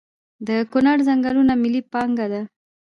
د کنړ ځنګلونه ملي پانګه ده؟